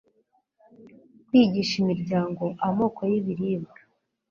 kwigisha imiryango amoko y'ibiribwa